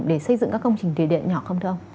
để xây dựng các công trình thủy điện nhỏ không thưa ông